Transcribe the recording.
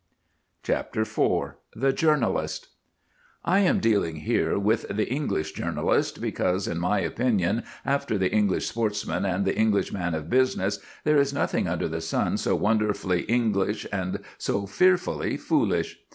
CHAPTER IV THE JOURNALIST I am dealing here with the English journalist, because in my opinion, after the English sportsman and the English man of business, there is nothing under the sun so wonderfully English and so fearfully foolish.